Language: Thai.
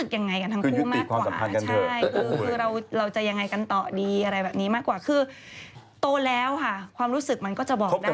ก็อย่างนี้ก็ยังไม่ได้เปิดใจหรือโอกาสให้ใครใช่มั้ย